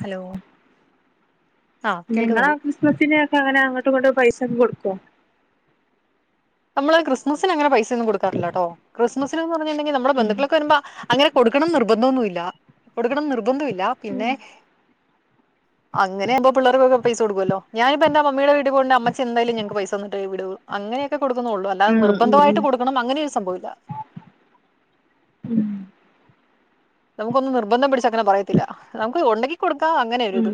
Hello ആഹ് നിങ്ങളെ കേൾക്കുന്നുണ്ട് ക്രിസ് സ്സിനൊക്കെ അങ്ങനെ അങ്ങട്ട് ഇങ്ങട്ട് പൈസ ഒക്കെ കൊടുക്കോ നമ്മള് ക്രിമസിനങ്ങനെ പൈ സ ഒന്നും കൊടുക്കാറില്ലാട്ടോ ക്രിസ്മസിന് പറഞ്ഞിട്ടുണ്ടെങ്കിൽ നമ്മുടെ ഉം ബന്ധുക്കളൊക്കെ വരുമ്പ അങ്ങനെ കൊടുക്കണംന്ന് നിർബന്ധം ഒന്നുല്ല കൊടുക്കണം നിർബന്ധമില്ല ഉം പിന്നെ അങ്ങനെയാവുമ്പോ പിള്ളേർക്കൊക്കെ പൈസ കൊടുക്കുവല്ലോ ഞാനിപ്പോ എന്റെ മമ്മിയുടെ വീട്ട് പോവ്ണ്ടേ അമ്മച്ചി എന്തായാലും ഞങ്ങക്ക് പൈസ തന്നിട്ടേ വിടു അങ്ങനെയൊക്കെ കൊടുക്കുന്നുള്ളൂ അല്ലാതെ ഉം ഉം നിർബന്ധമായിട്ട് കൊടുക്കണം അങ്ങനൊരു സംഭവ ഇല്ല ഉം നമുക്കൊന്ന നിർബന്ധം പിടിച്ച അങ്ങന പറയത്തില്ല നമുക്ക് ഉണ്ടെങ്കിൽ കൊടുക്കാ അങ്ങനെ ഒരിത് ഉം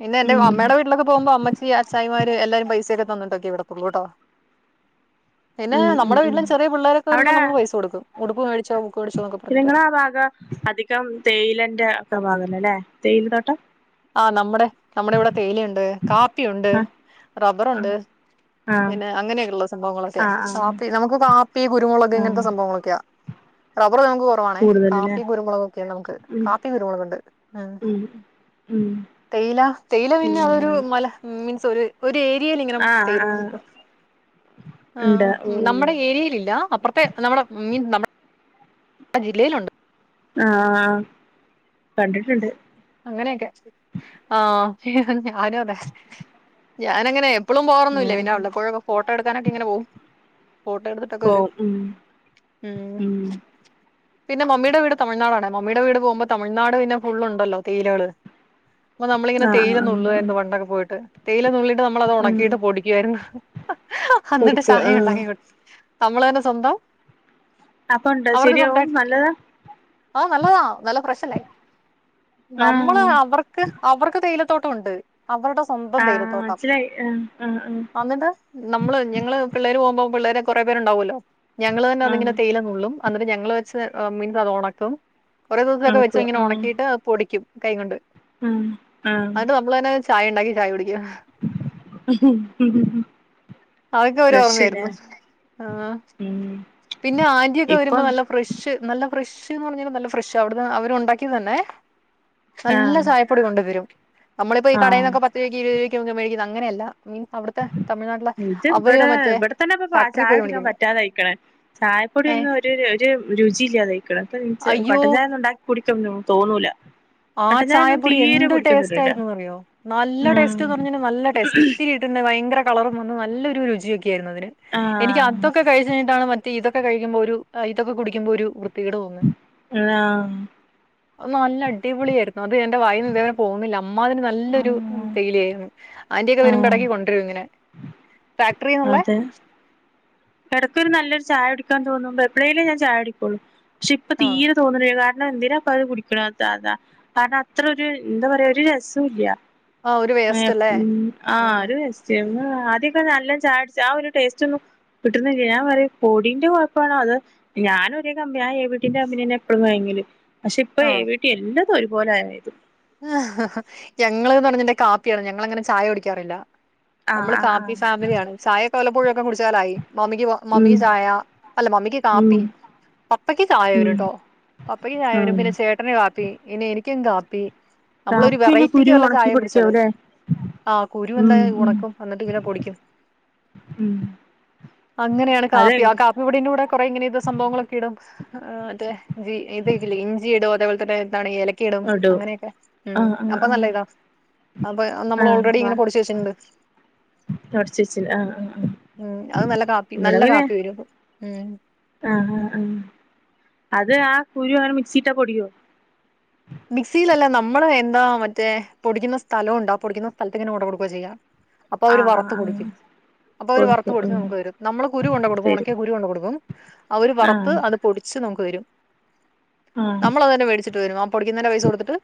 പിന്നെ എന്റെ ഉം അമ്മയുടെ വീട്ടിലൊക്കെ പോകുമ്പോ അമ്മച്ചി അച്ചായിമാര് എല്ലാരും പൈസൊക്കെ തന്നിട്ടൊക്കെ വിടത്തുള്ളൂ കേട്ടോ പിന്നെ ഉം നമ്മുടെ ഉം വീട്ടിലും ചെറിയ പിള്ളേരൊക്കെ വരുമ്പോ അവിടെ നമ്മള് പൈസ കൊടുക്കും ഉടുപ്പ് മേടിച്ചോ ബുക്ക് മടിച്ചോക്കെ നിങ്ങള ആ ഭാഗ അധികം തേയിലന്റെ ഒക്കെ ഭാഗല്ല അല്ലേ തേയില തോട്ടം ആഹ് നമ്മുടെ നമ്മുടെ ഇവിടെ തേയിലയുണ്ട് കാപ്പിയുണ്ട് ആഹ് ആഹ് റബ്ബറുണ്ട് ആഹ് പിന്നെ അങ്ങനെയൊക്കെയുള്ള സംഭവങ്ങളൊക്കെ ആഹ് കാപ്പി ആഹ് നമുക്ക് കാ പ്പി കുരുമുളക് ആഹ് ഇങ്ങനത്തെ സംവങ്ങളൊക്കെയ റബറ് നമക്ക് കൊ റവാണേ കൂടുതലല്ലേ കാപ്പി കുരുമുളകൊക്കെയാ നമുക്ക് ഉം കാപ്പി കുരുമുളക് ഒണ്ട് ആഹ് [unintelligible] ഉം തേയില തേയില പിന്നെ അതൊരു മല മീൻസ് ഒരു ഒരു ഏരിയൽ ഇങ്ങനെ ആഹ് തേയില ആഹ് [unintelligible] ഉണ്ട് ആഹ് ഉം നമ്മടെ ഏരിയയിലില്ല അപ്പറ ത്തെ നമ്മള മീൻ നമ്മ ആഹ് ജില്ലയിലൊണ്ട് ആഹ് കണ്ടിട്ട്ണ്ട് അങ്ങനെയൊക്കെ ആഹ് ഞാനും അതെ ഞാനങ്ങനെ എപ്പളും പോവാറൊന്നുല്ല പിന്നെ ആഹ് ഉള്ളപ്പോഴൊക്കെ ഫോട്ടോ എടുക്കാനൊക്കെ ഇങ്ങനെ പോവും ഫോട്ടോ എടു ക്ക് വരും പോവും ഉം പിന്നെ മമ്മിടെ വീട് തമിഴ്നാടാണേ മമ്മിടെ വീട് പോകുമ്പോ തമിഴ്നാട് പിന്നെ ഫുൾ ഉണ്ടല്ലോ തേയിലകള് അപ്പൊ നമ്മളിങ്ങനെ ആഹ് തേയില ആഹ് ആഹ് നുള്ള്‌വായിരുന്നു ആഹ് പണ്ടൊക്കെ പോയിട്ട് തേയില നുള്ളിട്ട് നമ്മളത് ഉം ഒണക്കിയിട്ട് പൊടിക്കുയാരുന്നു അന്നിട്ട് കൊടുക്കും ചായ ആഹ് ഒണ്ടാക്കി കു നമ്മളന്നെ സ്വന്തം അപ്പ ഉണ്ടാ ശരിയാവും നല്ലതാ ആഹ് നല്ലതാ നല്ല ഫ്രഷ്ല്ലേ നമ്മള് ആഹ് അവർക്ക് അവർക്ക് തേയിലത്തോട്ടം ഒണ്ട് അവർടെ സ്വന്തം ആഹ് തേയിലത്തോട്ടം മനസ്സിലായി ആഹ് ആഹ് അന്നിട്ട് നമ്മള് ഞങ്ങള് പിള്ളേര് പോകുമ്പ പിള്ളേരെ കൊറേ പേരുണ്ടാവുഅല്ലോ ഞങ്ങള് തന്നെ ആഹ് അതിങ്ങനെ ആഹ് തേയിലനുള്ളും അന്നിട്ട് ഞങ്ങള് വെച്ച് മീൻസ് അത് ഒണക്കും കുറേ ദിവസൊക്കെ വെച്ച് നടക്കുവാ ഇങ്ങനെ ആഹ് ഒണക്കിട്ട് പൊടിക്കും കൈ കൊണ്ട് ആഹ് അന്നട്ട് ആഹ് നമ്മള് തന്നെ ചായ ഇണ്ടാക്കി ചായ കുടിക്കുക ഉം ഉം അതൊക്കെ ഒരോർമ്മയായിരുന്നു ആഹ് ഉം പിന്നെ ആന്റിയൊക്കെ വരുമ്പോ ഇപ്പം നല്ല ഫ്രഷ് നല്ല ഫ്രഷ്ന്ന് പറഞ്ഞൽ നല്ല ഫ്രഷ് അവിടന്ന് അവരൊണ്ടാക്കിത് തന്നെ നല്ല ആഹ് ചായ പ്പൊടി കൊണ്ടതരും നമ്മളിപ്പോ ഈ ആഹ് കടയിന്നക്കെ പത്ത് രൂക്ക് ഇരൂരക്ക് ഒക്കെ മേടിക്കുന്നെ അങ്ങനെയല്ല മീൻസ് അവിടു ഇത് ഇവടെ ഇവടെ തന്നെ ഇപ്പൊ പാ ഫാക്ടറി ചായ പോയി കുടിക്കാൻ മേടിക്കുന്നെ പറ്റാതായിക്കണ് ചായപ്പൊടി ഏഹ് ഒന്നും ഒരു ഒരു രുചി ഇല്ലാതയ്ക്കണ് അപ്പ ന്ച്ച് അയ്യോ കട്ടചായ ഒന്നും ഒണ്ടാ കുടിക്കന്നും തോന്നൂല ആ കട്ടൻ ചായ ഒന്നും ചായപ്പൊടി തീരെ എന്ത് കുടിക്കാൻ ടേസ്റ്റ് തോന്നൂല ആയിരുന്നുന്ന്റിയോ നല്ല ആഹ് ടേസ്റ്റ്ന്ന് പറഞ്ഞ നല്ല ടേസ്റ്റ് ഇത്തിരി ഇട്ട്ന്നെ ഭയങ്കര കളറും വന്നു നല്ലൊരു രുചിയൊക്കെ ആയിരുന്നു അതിന് എനിക്ക് ആഹ് അതൊക്കെ കഴിച്ച് കഴിഞ്ഞട്ടാണ് മറ്റേ ഇതൊക്കെ കഴിക്കുമ്പോ ഒരു ഇതൊക്കെ കുടിക്ക്പോ ഒരു വൃത്തികേട് തോന്നുന്നേ നല്ല അടിപൊളിയായിരുന്നു അത് എന്റെ വായിൽ നിന്ന് ഇതേവരെ പോകുന്നില്ല അമ്മാതിരി നല്ലൊരു ആഹ് തേയിലയായിരുന്നു ആന്റിയൊക്കെ വരുമ്പ ആഹ് എടക്ക് കൊണ്ടുവരും ഇങ്ങനെ ഫാക്ടറിന്നുള്ളേ അതെ എടക്കൊരു നല്ലൊരു ചായുടിക്കാൻ തോന്നുമ്പോ എപ്പഴേലേ ഞാൻ ചായുടിക്കുള്ളു പക്ഷെ ഇപ്പ ആഹ് തീരെ തോന്നണില്ല കാരണം എന്തിനാപ്പൊ അത് കുടിക്കണാ [unintelligible] കാരണം അത്ര ഒരു എന്താ പറയാ ഒരു രസം ഇല്ല്യ ആഹ് ഒരു വേസ്റ്റ് അല്ലേ? ഉം ആഹ് ഒരു [unintelligible] ആദ്യൊക്കെ നല്ല ചായുടിച്ച ആ ഒരു ടേസ്റ്റ് ഒന്നും കിട്ടുന്നില്ല്യ ഞാൻ പറയും പൊടിന്റെ കുഴപ്പണോ അത് ഞാന് ഒരേ കമ്പി ആ എ വീട്ടിന്റെ കമ്പിനിന്ന എപ്പളും വാങ്ങില് പക്ഷെ ഇപ്പൊ എ വീ റ്റി എല്ലാതും ഒരുപോലെ ആയാത് ആഹ് ഞങ്ങള്ന്ന് പറഞ്ഞിടെങ്കി കാപ്പിയാണ് ഞങ്ങൾ അങ്ങനെ ചായ കുടിക്കാറില്ല ആ നമ്മള് ആ ആ കാപ്പി ഫാമിലിയാണ് ചായൊക്കെ വല്ലപോയും ഒക്കെ കുടിച്ചാലായി മമ്മിക്ക് ഉം മമ്മിക്ക് ചായ അല്ല മമ്മിക്ക് ഉം കാപ്പി പപ്പയ്ക്ക് ചായ ഉം വെരുട്ടോ പപ്പയ്ക്ക് ചായ വെരും ഉം പിന്നെ ചേ ട്ടന് കാപ്പി ഇനി എനിക്കും കാപ്പി നമ്മളൊരു കാപ്പി പിന്നെ വെറൈറ്റിക്ക് കുരു വല്ല ഉണക്കി ചായയും കുടിച്ചാലോ പൊടിക്കാവുല്ലേ ആഹ് കുരു ഉം ഇണ്ടങ്ങെ അഹ് ഉം ഒണക്കും എന്നട്ട് ഇങ്ങനെ പൊടിക്ക്യും ഉം അങ്ങനെയാണ് അതെ കാപ്പി ആ കാപ്പി പൊടിന്റെ കൂടെ കൊറേ ഇങ്ങനെ ഇത്‌ സംഭവങ്ങളൊക്കെ ഇടും ആഹ് മറ്റേ ഞ്ചി ഇതെക്കെ ഇല്ലെ ഇഞ്ചിയിടും അതേപോൽതന്നെ എന്താണ് ഏലക്കയിടും ഇടും അങ്ങനെയൊക്കെ ഉം ആഹ് ആഹ് അപ്പൊ നല്ല ആഹ് ഇതാ അപ്പൊ നമ്മൾ ആഹ് ഓൾറെഡി വാ ഇങ്ങനെ പൊടിച്ച് വെച്ചിട്ട്ണ്ട് തൊടച്ച് വെച്ചില്ല ആഹ് ആഹ് ആഹ് ഉം അത് നല്ല കാപ്പി ഇവിടെ നല്ല പിന്നെ കാപ്പി വെരും അപ്പൊ ഉം ആഹ് ആഹ് ആഹ് അത് ആ കുരു അങ്ങനെ മിക്സിയിട്ടാ പൊടിയോ മിക്സിയിലല്ല നമ്മള് എന്താ മറ്റേ പൊടിക്കുന്ന സ്ഥലം ഉണ്ട് ആ പൊടിക്കുന്ന സ്ഥലത്ത് ഇങ്ങനെ കൊണ്ടകൊടുവാ ചെയ്യാ അപ്പൊ അവര് ആഹ് വറത്ത് ആഹ് ആഹ് പൊടിക്കും അപ്പൊ അവര് വറ്ത്ത് പൊടിക്കും പൊടിച്ച് ഉം നമുക്ക് തരും നമ്മള് കുരു കൊണ്ടെ കൊടുക്കും തരും ഒണക്കിയ കുരു കൊണ്ട് കൊടുക്കും അവര് ആഹ് വറത്ത് അത് പൊടിച്ച് നമുക്ക് തരും ആഹ് നമ്മൾ അത് തന്നെ മേടിച്ചിട്ട് വരും ആ പൊടിക്ക്ന്നേയ്ന്റെ പൈസ കൊട്ത്ത്ട്ട്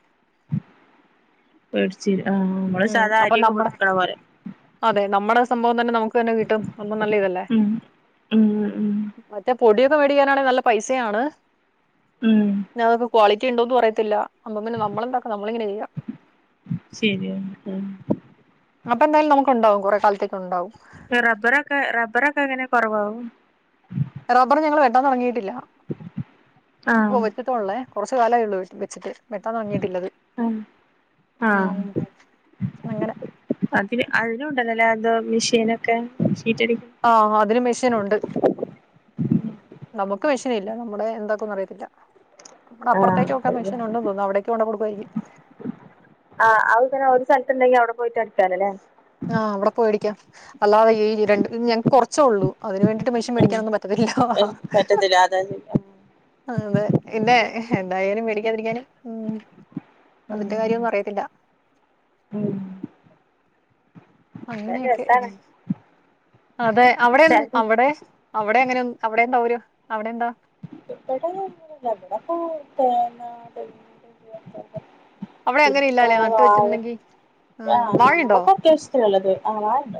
വേടിച്ചു വെരും ആഹ് നമ്മള് ഉം സാധാ അപ്പൊ അരിയൊക്കെ നമ്മടെ പൊടിപിക്ക്ണ പോലെ അതെ നമ്മടെ. ആ സംഭവം തന്നെ നമുക്ക് തന്നെ കിട്ടും അപ്പൊ നല്ല ഇതല്ലേ ഉം ഉം ഉം മറ്റേ പൊടിയൊക്കെ മേടിക്കാനാണേ നല്ല പൈസെയാണ് ഉം പിന്നെ അതൊക്കെ ക്വാളിറ്റി ഇണ്ടോന്ന് അറിയ ത്തില്ല അമ്പൊ പിന്നെ നമ്മളെന്താക്കും നമ്മളിങ്ങെനെ ചെയ്യാ ഉം ശെരിയാണ് ട്ടോ അപ്പൊ എന്താലും നമുക്ക് ഉണ്ടാവും കുറേ കാലത്തേക്ക് ഉണ്ടാവും ഇഹ് റബ്ബറൊക്കെ റബ്ബറൊക്കെ എങ്ങനെ കൊറവാവും റബ്ബർ ഞങ്ങള് വെട്ടാൻ തൊടങ്ങിയിട്ടില്ല ആഹ് ഇപ്പൊ വെച്ച് ട്ടൊള്ളേ കൊറച്ച് കാലയൊള്ളു വെട്ട് വെച്ചിട്ട് വെട്ടാൻ തൊടങ്ങയിട്ടില്ല അത്‌ അഹ് ആഹ് അങ്ങനെ. അതിന് അതിനും ഉണ്ടല്ലോല്ലേ എന്തോ മെഷീനൊക്കെ ഷീറ്റ് അടിക്ക്ണ ആഹ് അതിന് മിഷീനുണ്ട് നമുക്ക് മെഷീൻ ഇല്ല നമ്മുടെ എന്താക്കും ന്ന് അറിയത്തില്ല നമ്മടെ ആഹ് അപ്പറത്തേക്ക് ഒകെ മെഷീൻ ഉണ്ടെന്ന് തോന്ന്ന്നു അവിടേക്ക് കൊണ്ടെക്കൊടുക്കുവായിരിക്കും ആഹ് അത്‌ ഇങ്ങനെ ഒരു സ്ഥലത്ത് ഇണ്ടെങ്കി അവ്ടെ പോയിറ്റ് അടിക്കാലൊല്ലേ ആഹ് അവടെ പോയി അടിക്കാം അല്ലാതെ ഈ രണ്ട് ഞങ്ങക്ക് കൊറച്ചൊള്ളൂ അതിന് വേണ്ടിട്ട് മെഷീൻ ഉം മേടിക്കാനൊന്നും പറ്റത്തില്ലാ പറ്റത്തില്ല അതാ ആഹ് അതെ ഇല്ലെ എന്തായാലും മേടിക്കാതിടിക്കാനും ഉം ഉം അതിന്റെ കാര്യൊന്നും അറിയത്തില്ല ഉം എന്തായാലും അങ്ങനെയൊക്കെ രസാണ് എങ്ങൻ അതെ അവടെൻ ചെലപ്പോ അവടെ അവടെ അങ്ങനെയൊന്ന് അവടെ എന്താ ഊരാ അവ്ടെ എന്താ ഇബടെ അങ്ങനെ ഒന്നും അല്ല ഇബടെ ഇപ്പൊ തേങ്ങ [unintelligible] അവിടെ അങ്ങനെ പിന്നെ ഇല്ലാല്ലേ നട്ട് വാഴ വെച്ചിട്ടുണ്ടെങ്കി? ആഹ് ഞമ്മക്ക് അത്യാവശ്യത്തിനുള്ളത് അങ്ങനെ ഇണ്ട്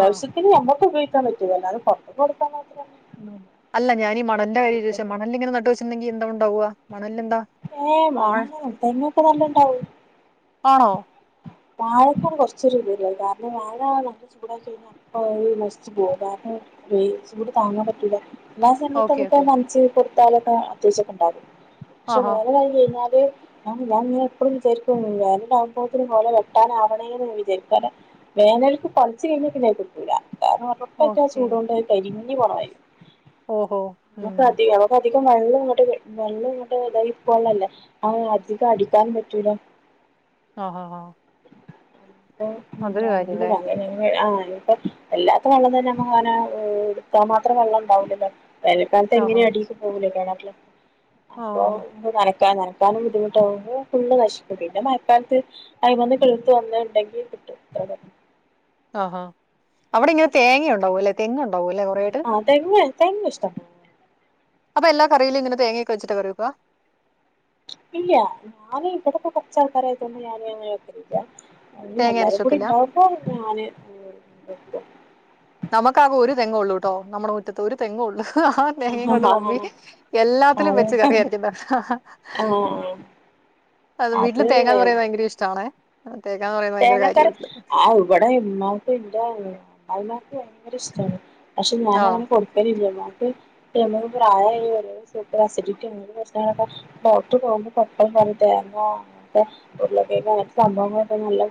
ആഹ്. ത്തിന് നമ്മക്ക് ഉപയോഗിക്കാൻ പറ്റിയത് അല്ലാതെ പൊർത്ത്ക്ക് കൊടുക്കാൻ മാത്രം ഒന്നും ഇല്ല അല്ല ഞാനീ ഈ മണലിന്റെ കാര്യവാ ചോയ്ച്ചെ മണൽലിങ്ങനെ നട്ട് വെച്ചിട്ട്ണ്ടെങ്കിൽ എന്താ ഉണ്ടാവാ മണൽലെന്താ ഏഹ് മണലൊക്കെണ്ട് തെങ്ങൊക്കെ നല്ലം ഇണ്ടാവും ആണോ വാഴക്കാണ് കൊർച്ചൊരു ഇത്ല്ലെഹ് കാരണം വാഴ ഭയങ്കര ചൂടായി കഴിഞ്ഞാൽ ഏഹ് വേം നശിച്ചു പോവും കാരണം ഈ ചൂട് താങ്ങാൻ പറ്റൂല എല്ലാ സമയത്ത് ഓക്കെ നമുക്ക് അത്‌ ഓക്കെ. നനച്ചു കൊടുത്താലൊക്കെ അത്യാവശ്യക്കെ ഉണ്ടാകും പക്ഷെ ആഹാ. വേനലായി കഴിഞ്ഞാല് ഞാൻ ഇങ്ങനെ എപ്പളും വിചാരിക്കും വേനലാവുംമ്പോത്തിന് കൊല വെ ട്ടാനാവണെ വിചാരിക്കും കാരണം വേനൽക്ക് കൊലച്ച് കഴിഞ്ഞ കിട്ടൂല്ല കാരണം പുറത്തൊക്കാ ഓക്കെ. ചൂടോണ്ടത് കരിഞ്ഞി പോണമാതിരി ഓഹൊ. നമുക്ക് അധി നമൻക്ക് അധികം വെള്ളം ങ്ങട്ട് വെള്ളം ങ്ങട്ട് പൈപ്പ് വെള്ളല്ലേ. അത് അധികം അടിക്കാനുംപറ്റൂല. ആഹ് ആഹ് ആഹ് കാര്യല്ലേ. പിന്നെ ആഹ് എല്ലാത്തിനും വെള്ളം തന്നെ നമ്മക്ക്ങ്ങനെ എടാത്താ മാത്രം വെള്ളംണ്ടാവൂലല്ലൊ. വേൽക്കാലത്ത് ആഹാ. എങ്ങനിം അടീക്ക് പോവൂലല്ലോ കെണറില് അപ്പൊ. ആഹ്. നനക്കാന് നനക്കാനും ബുദ്ധിമുട്ടാകും ഫുള്ള് നശിക്കും പിന്നെ മഴക്കാലത്ത്. അയ്മന്ന് കിളിർത്ത് വന്നത്ണ്ടെങ്കി കിട്ടും അത്ര തന്നെ ആഹാ അവിടെങ്ങനെ തേങ്ങ ഉണ്ടാവൂലേ തെങ്ങ് ഉണ്ടാവൂല്ലേ കൊറേയായ്ട്ട്. ആഹ് തെങ്ങ് തെങ്ങിഷ്ടംപോ അപ്പൊല്ലാ കറീലും ഇങ്ങനെ തേങ്ങവെച്ച്ട്ടാകറിവെക്കാ. ഇല്ല്യ ഞാന് ഇവിടെപ്പം കൊർച്ചാൾക്കാരായതോണ്ട് ഞാനങ്ങനെവെക്കലി ല്ല തേങ്ങ എല്ലാരും അരച്ചോക്കില്ല കൂടിണ്ടാവുമ്പോ ഞാന് വെക്കും. നമുക്കാകെ ഒരു തെങ്ങേള്ളൂ ട്ടോ നമ്മടെ മുറ്റത്ത് ഒരു തെങ്ങൊള്ളു. തേങ്ങീം കൊണ്ട് മമ്മി ആഹ് എല്ലാത്തിലും ആഹ് വെച്ച് കറി അര്ച്ചിണ്ടാകും. ആഹ് അത് വീട്ടില് തേങ്ങാന്ന് പറയുന്നത് ഭയങ്കര ഇഷ്ടാണെ, തേങ്ങാന്ന് പറയുന്നത് ഭയങ്കര തേങ്ങക്കറി കാര്യാവീട്ട്ല്. ആ ഇവിടെ ഇമ്മാക്കും ൻ്റെ അമ്മായ്മാക്ക് ഭയങ്കരിഷ്ടാണ്. പക്ഷെ ആഹ് ഞാനങ്ങനെ കൊടുക്കലില്ല ഇമ്മാക്ക് പ്രായായി വര സൂപ്പർ അസിഡിറ്റിപ്രശ്നങ്ങളൊക്കെ. ഡോക്ടർ പോകുമ്പോ പ്രത്യേകംപറഞ്ഞ് തേങ്ങാ അങ്ങൻത്തെ ഉരുളക്കിഴങ്ങ് അങ്ങൻത്തെ സംഭവങ്ങ നല്ല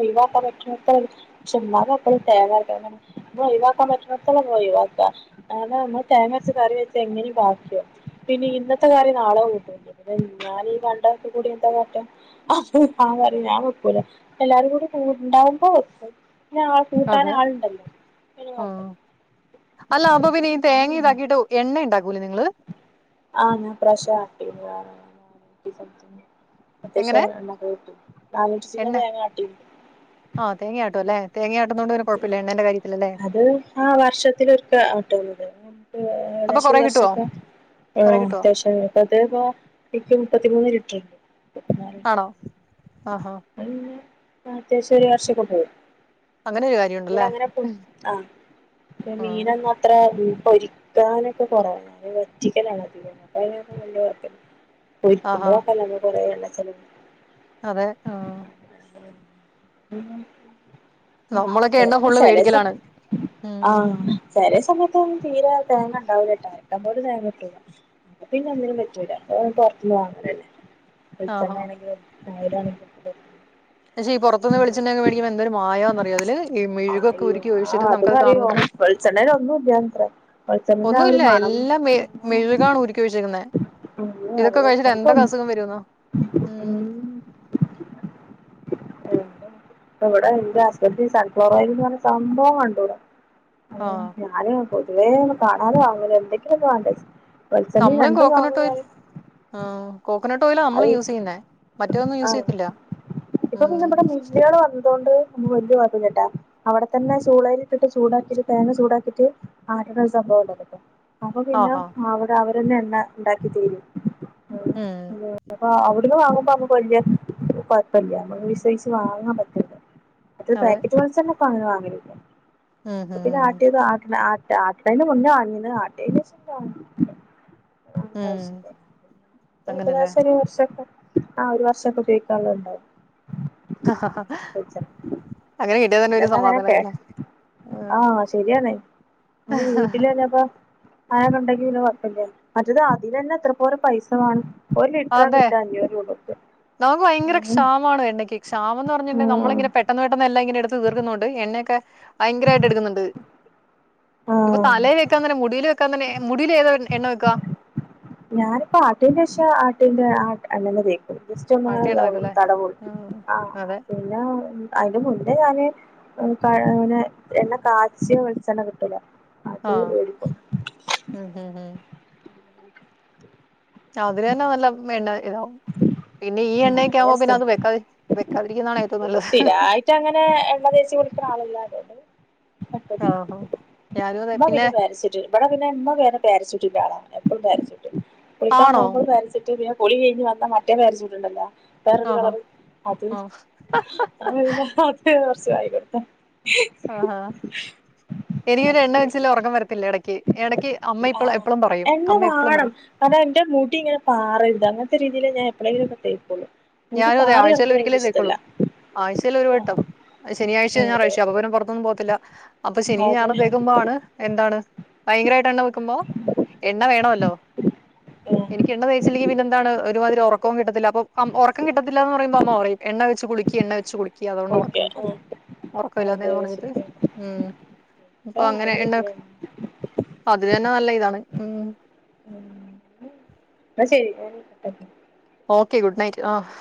ഒഴിവാക്കാ പറ്റ്ണോട്തോളം പക്ഷെ ഇമ്മാക്കെപ്പളും തേങ്ങര്ക്കണംന്നന്നെ. ഒഴിവാക്കാൻ പറ്റ്ണോട്ത്തോളം ഒഴിവാക്ക, നമ്മള് തേങ്ങര്ച്ച് കറി വെച്ച എങ്ങനിം ബാക്ക്യാവും. പിന്നെ ഇന്നത്തെ കറി നാളെ കൂട്ടോ. ഞാനീ കണ്ടതൊക്കെകൂടി എന്താകാട്ട. അപ്പൊ ഞാൻപറയും ഞാവെ കൂല, എല്ലാരും കൂടി കൂ ഇണ്ടാവുമ്പോ വെക്കും ഞാ അതെ ആഹ് അല്ല അപ്പൊ പിന്നെ ഈ തേങ്ങതാക്കീട്ട്. എണ്ണയുണ്ടാക്കൂലേ നിങ്ങള്. ആഹ് ഞാൻ ഇപ്രാവശ്യം ആട്ടീര്ന്ന്. [unintelligible] എങ്ങനെ അത്യാവശ്യം എണ്ണൊക്കെകിട്ടി, നാനൂറ്റിചില്ലാം എണ്ണ തേങ്ങാട്ടി. ആഹ് തേങ്ങയാട്ടും അല്ലേ തേങ്ങയാട്ടുന്നോണ്ട് പിന്നെ ഉം കുഴപ്പമില്ല എണ്ണേന്റെ കാര്യത്തിലല്ലേ അത് ആഹ് വർഷത്തിലൊരിക്കെ. ട്ടുള്ളൂ തേങ്ങ അപ്പൊ ഏകദേശം കൊറെ ഒരു വർഷം. കിട്ടുവോ കൊറെ ആഹ് കിട്ടുവോ അത്യാവശ്യംപ്പം അത്പൊ ഇപ്പൊ മുപ്പത്തിമൂന്ന് ലിറ്റർണ്ട്. ആണോ ആഹ്ആഹ്. അത് പിന്നെ അത്യാവശ്യം ഒരു വർഷൊക്കെ പോവും. അങ്ങനെ ഒരു കാര്യമുണ്ടല്ലേ ഇവ്ടെങ്ങനെ ആഹ് ആഹ് മീനൊന്നും അത്ര പൊരിക്കാനൊക്കെ കൊറവാ വറ്റിക്കലാണധികം അപ്പൊഅയ്നൊന്നുംവല്യകൊയ്പ ആഹാ പൊരിക്കുമ്പോളൊക്കല്ലെ കൊറേ എണ്ണ ചെലവ്. അതെ ആഹ്. ഉം. ആഹ് നമ്മളൊക്കെ എണ്ണ തേങ്ങ ഫുള്ള് ചെലേ ദിവസം മേടിക്കലാണ് ഉം ആഹ്. ചെലേ സമയത്ത് ഒന്നും തീരെ തേങ്ങണ്ടാവൂലട്ടോ നമ്മൾത് തേങ്ങട്ടൂല പിന്നെ ഒന്നിനും പറ്റൂല അത് പൊർത്ത്ന്ന് വാങ്ങാലന്നെ വെൾച്ചെണ്ണ ആഹാ ഏണെങ്കിലും ഓയലാണെങ്കിലും. പക്ഷെ ഈ പൊറ്ത്ത്ന്ന് വെളിച്ചെണ്ണൊക്കെ വേടിക്കുമ്പൊ എന്തൊരു മായാന്നറിയൊ അതില് ഈ മെഴുകൊക്കെ ഉരുക്കി ഒഴിച്ച്ട്ട് നമുക്കത് കാണുമ്പൊ തന്നെ. വെൾച്ചണ്ണേല് ഒന്നും ഇല്ല്യത്ര വെൾച്ചെണ്ണന്റെ ആ ഒരു ഒന്നുമില്ല മണം. എല്ലാം മെ മെഴുകാണ് ഉരുക്കി വെച്ചേക്കുന്നെ. ഇതൊക്കെ കഴ്ച്ച്ട്ട് എന്തൊക്ക അസുഖം വരൂന്നോ ഉം. ഇവടെ ന്റെ ഒരു- ഹസ്ബൻ ഈ സൺഫ്ലവറോയൽന്ന് പർഞ്ഞ സംഭവം കണ്ടൂട. ആഹ് ഞാന് പൊതുവേ ഒന്ന് കാണാതെ വാങ്ങല് ഇണ്ട് എന്തൊക്കിലൊക്കെ വേണ്ട വെൾച്ചെണ്ണിം രണ്ടും വാങ്ങും ഞാന് ആഹ് കോക്കനെട്ടോയിലാ നമ്മള് അത് യൂസയ്യുന്നേ മറ്റേതൊന്നും ആ യൂസയ്യത്തില്ല ഉം അതോണ്ട് വെല്യ കൊഴ്‌പ്പല്ലട്ടാ അവിടെ തന്നെ ചൂളേലിട്ടിട്ട് ചൂടാക്കിയിട്ട് തേങ്ങ ചൂടാക്കിറ്റ് ആങ്ങനൊരു സംഭവണ്ട [unintelligible] അപ്പൊപിന്നെ ആഹാ അവടെ അവരന്നെ എണ്ണ ഇണ്ടാക്കിതരും ഉം അപ്പൊ അവ്ട്ന്ന് വാങ്ങുമ്പ നമുക്ക് വെല്യയ കൊഴപ്പല്ല നമ്മുക്ക് വിശ്വസിച്ച് വാങ്ങാൻ പറ്റും മ [unintelligible] അതെ പാക്കറ്റ് വെൾച്ചണ്ണ പ്പ അങ്ങന വാങ്ങലില്ല ഉം ഉം അപ്പൊ പിന്നെ ഉം ആട്ടിയ ആട്ട്ണ ആ ആട്ട്ണേന്റെ മുന്നെ വാങ്ങിന് ആട്ടീനേശം ഉം അങ്ങനല്ലേ [unintelligible] ഒരു വർഷൊക്കെ ആഹ് ഒരു വർഷൊക്കെ ഉപോയിക്കാൻള്ളത്ണ്ടാവും ഹ ഹ പിന്നെന്താ അങ്ങനെക്കേ ഉം. ആഹ് ശെരിയാണ് ഇങ്ങള് വീട്ടിലന്നെപ്പോ അയാള്ണ്ടെങ്കിൽ പിന്നെ കൊഴപ്പല്ല മറ്റത് അതിലന്നെ എത്ര പോരും പൈസവാണം ഒരു ലി അതെ നമക്ക് ഭയങ്കര ഉം ക്ഷാമാണ് എണ്ണക്ക് ക്ഷാമന്ന് പറഞ്ഞിണ്ടെൽ ആഹ് നമ്മളിങ്ങനെ പെ പെട്ടെന്ന് പെട്ടെന്ന് എല്ലാം ഇങ്ങനെ എടുത്ത് തീർക്കുന്നുണ്ട് എണ്ണെക്കെ ഭയങ്കരായിട്ട് എടുക്കുന്നുണ്ട് ഇപ്പൊ ആഹ് തലേ വെക്കാൻ തന്നെ മുടിയിൽ വെക്കൻ തന്നെ മുടില് ഏതോ എ എണ്ണവെക്ക ഞാനിപ്പ ആട്ടിൻ്റേശം ആട്ടിയൻ്റെ ആ എണ്ണെന്ന തേക്ക ജെസ്‌റ്റൊന്നിങ്ങന ആട്ടിയ എണ്ണ വെക്കും ഇതാവും അല്ലേ തടവു ഉം ആ അതെ പിന്നെ അയിന് മുന്നേ ഞാന് [unintelligible] അങ്ങനെ എണ്ണ കാച്ചിയ വെൾച്ചെണ്ണ കിട്ടൂലേ ആഹ് ഉം ഹ് ഹ് അവരെന്നെ നല്ല എണ്ണ ഇതാവും പിന്നെ ഈ അങ്ങനെ എണ്ണയൊക്കെവുമ്പോ പിന്നെ സ്ഥിര അത് വെക്കാ വെക്കാതിരിക്കുന്നതാണ് ഏറ്റവും നല്ലത് റ്റഅങ്ങനെ എണ്ണ തേച്ച് കുളിക്ക്ണ ആളല്ലാതെ ആഹ്ഹാ ഇമ്മ പിന്നെ പാര [unintelligible] ട്ട് ഇവടെ പിന്നെ ഇമ്മ പാര [unintelligible] എപ്പഴും പാര [unintelligible] ട്ട് കുളിക്കാൻ ആണോ പോവുമ്പളും പാര [unintelligible] ട്ട് പിന്നെ കുളി കയിഞ്ഞ് വന്നാ മറ്റേ പാര [unintelligible] ട്ട്ണ്ടല്ലോ വെറൊരു ആഹാ കളറ് അത് ആ അല്ല അത് കൊർച്ച് [unintelligible] ആഹ് എനിക്കൊരു എണ്ണ കൊടുത്ത വെച്ചല്ലേ ഒറക്കം വരത്തില്ല എടയ്ക്ക് എടക്ക്യ് അമ്മ ഇപ്പള ആഹ് എപ്പളും പറയും എണ്ണ അമ്മ എപ്പളും വാണം പറയും കാരണം എന്റെ മുടി ഇങ്ങനെ പാറരുത് അങ്ങൻത്തെ രീതില് ഞാ എപ്പളേങ്കിലൊന്ന് തേക്കുള്ളൂ ഞാനും അതെ ആഴ്ച്ചേലൊരിക്കലേ തേക്കുളൂ ആഴ്ചയിലൊരു വട്ടം അത് ശനി ആഴ്ച അതെ ഞാറഴ്ച്ച അപ്പൊ പിന്നെ പൊറത്തൊന്നും പോവത്തില്ല അപ്പൊ ശെനി അതെ ഞായറു തേക്കുമ്പാണ് എന്താണ് ഭയങ്കരായിട്ട് എണ്ണ വെക്കുമ്പോ എണ്ണ വേണല്ലോ ഉം എനിക്ക് എണ്ണ തേച്ചില്ലെങ്കിൽ പിന്നെ ന്താണ് ഒരുമാതിരി ഒറക്കോ കിട്ടത്തില്ല അപ്പോ ഒറ ക്കം കിട്ടത്തില്ല എന്ന് പറുമ്പോ അമ്മ പറയും എണ്ണ വെച്ച് കുളി ക്കി എണ്ണ വെച്ച് കുളിക്കി അതോണ്ട് ഒറക്കം ഓക്കെ കിട്ടാത്തെ ഉം അതെ ഒറക്കമില്ലാത്തേന്ന് പറഞ്ഞിട്ട് ശരി ഉം [unintelligible] അതിനന്നെ നല്ല ഇതാണ്. ഉം ഉം എന്നാ ശെരി. Okay, good night. ആഹ്